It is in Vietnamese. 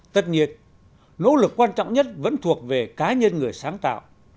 tất nhiên nỗ lực quan trọng nhất vẫn thuộc về cá nhân người sáng tạo